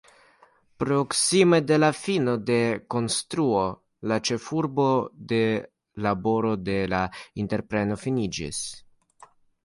Proksime de la fino de konstruo, la ĉefurbo de laboro de la entrepreno finiĝis.